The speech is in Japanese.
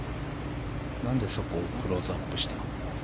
何でそこをクローズアップした？